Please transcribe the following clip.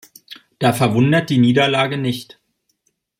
Da verwundert die Niederlage nicht.